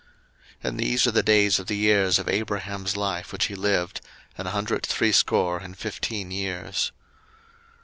01:025:007 And these are the days of the years of Abraham's life which he lived, an hundred threescore and fifteen years.